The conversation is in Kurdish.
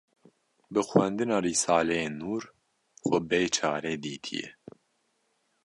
bi xwendina Risaleyên Nûr xwe bê çare dîtîye